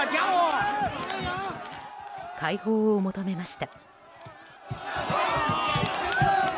解放を求めました。